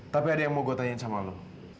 tapi ada yang mau gue tanyain sama lo